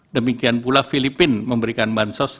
demikian pula filipina memberikan bantuan sosial